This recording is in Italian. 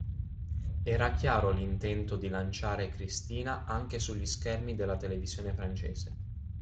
Era chiaro l'intento di lanciare Cristina anche sugli schermi della televisione francese.